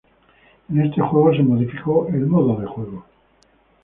En este juego se modificó el modo de juego.